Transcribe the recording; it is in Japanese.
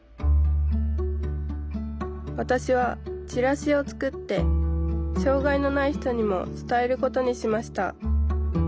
わたしはチラシを作って障害のない人にも伝えることにしました。